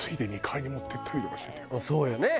そうよね。